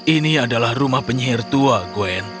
ini adalah rumah penyihir tua gwen